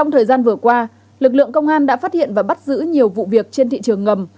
trong thời gian vừa qua lực lượng công an đã phát hiện và bắt giữ nhiều vụ việc trên thị trường ngầm